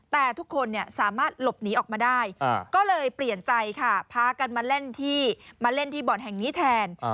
แต่ทุกคนสามารถหลบหนีออกมาได้ก็เลยเปลี่ยนใจค่ะพากันมาเล่นที่มาเล่นที่บ่อนแห่งนี้แทน